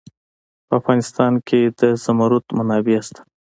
په افغانستان کې د زمرد منابع شته.